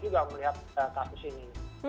juga melihat kasus ini